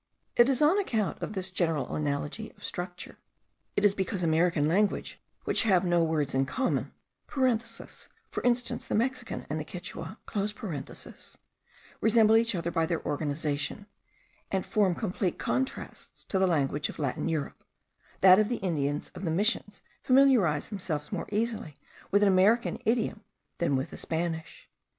It is on account of this general analogy of structure, it is because American languages which have no words in common (for instance, the Mexican and the Quichua), resemble each other by their organization, and form complete contrasts to the languages of Latin Europe, that the Indians of the Missions familiarize themselves more easily with an American idiom than with the Spanish.